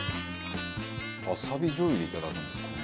わさびじょう油でいただくんですね。